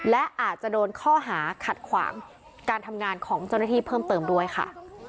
และอาจจะโดนข้อหาขัดขวางการทำงานของเจ้าหน้าที่เพิ่มเติมด้วยค่ะ